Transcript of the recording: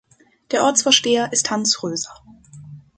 Der Ortsvorsteher ist Hans Röser.